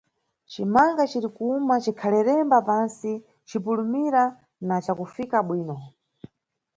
Cimanga cirikuwuma, cikhalelemba pantsi, cipulumira, na cakufika bwino.